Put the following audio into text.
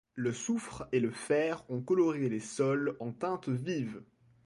Le soufre et le fer ont coloré les sols en teintes vives.